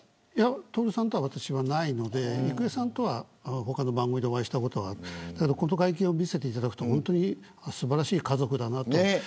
徹さんとは私はないので郁恵さんとは他の番組でお会いしたことは、この会見を見せていただくと本当に素晴らしい家族だなと。